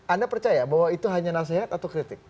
anda percaya bahwa itu hanya nasihat atau kritik